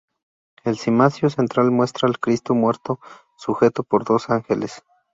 El cimacio central muestra al Cristo muerto sujeto por dos ángeles.